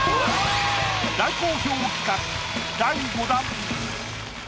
大好評企画第５弾。